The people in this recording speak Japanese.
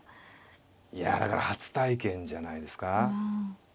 いやだから初体験じゃないですか。